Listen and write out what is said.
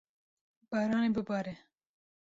Baran ê bibare.